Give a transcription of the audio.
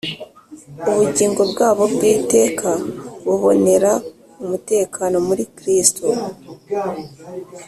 ubugingo bwabo bw’iteka bubonera umutekano muri kristo